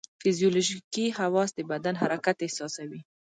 فزیولوژیکي حواس د بدن حرکت احساسوي.